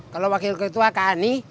kalau wakil ketua ke ani